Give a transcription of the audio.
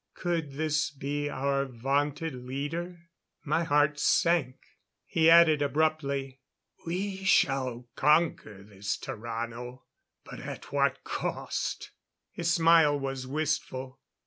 Could this be our vaunted leader? My heart sank. He added abruptly: "We shall conquer this Tarrano but at what cost!" His smile was wistful.